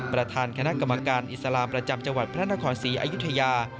ประธานคณะกรรมการอิสลามประจำจังหวัดพระนครศรีอยุธยา